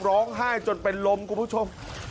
ร้องไห้จนเป็นลมคุณผู้ชม